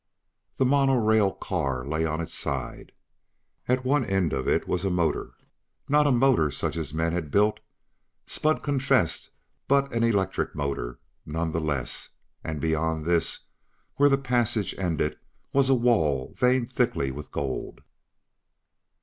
The monorail car lay on its side. At one end of it was a motor. Not a motor such as men had built, Spud confessed, but an electric motor none the less. And beyond this, where the passage ended, was a wall veined thickly with gold.